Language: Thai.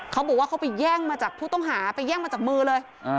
เขาบอกว่าเขาไปแย่งมาจากผู้ต้องหาไปแย่งมาจากมือเลย